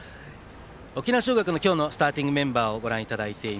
沖縄尚学の今日のスターティングメンバーです。